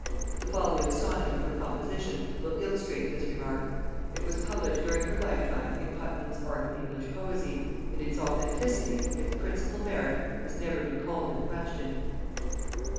The following sonnet of her composition will illustrate this remark: it was published during her lifetime in Puttenham's "Arte of English Poesie," and its authenticity, its principal merit, has never been called in question.